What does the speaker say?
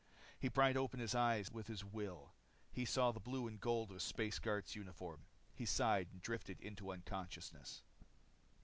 He pried open his eyes with his will. He saw the blue and gold of a space guard's uniform. He sighed and drifted into unconsciousness.